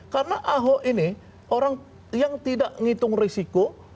karena ahok ini orang yang tidak ngitung risiko